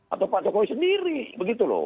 atau pak jokowi sendiri begitu loh